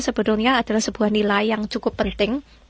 sebetulnya adalah sebuah nilai yang cukup penting